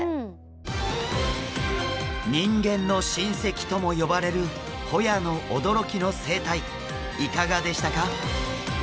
人間の親せきとも呼ばれるホヤの驚きの生態いかがでしたか？